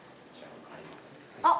あっ。